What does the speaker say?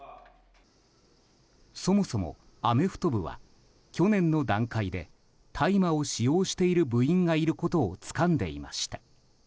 そもそもアメフト部は去年の段階で大麻を使用している部員がいることをつかんでいました。